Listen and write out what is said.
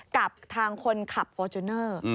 กับทางคนขับฟอร์จูเนอร์